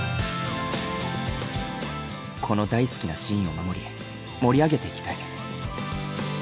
この大好きなシーンを守り盛り上げていきたい。